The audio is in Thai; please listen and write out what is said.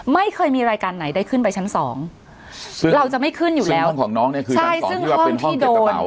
ไม่เคยมีรายการไหนได้ขึ้นไปชั้นสองคือเราจะไม่ขึ้นอยู่แล้วห้องของน้องเนี่ยคือชั้นสองที่ว่าเป็นห้องเก็บกระเป๋า